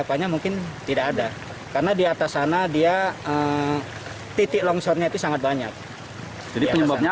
mungkin tidak ada karena di atas sana dia titik longsornya itu sangat banyak jadi penyebabnya